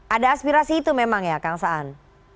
ada aspirasi itu memang ya kang saan